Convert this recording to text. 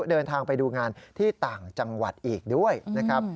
เดินทางไปดูงานที่ต่างจังหวัดอีกด้วยนะครับ